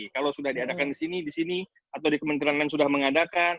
kalau sudah diadakan di sini di sini atau di kementerian lain sudah mengadakan